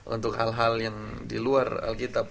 untuk hal hal yang di luar alkitab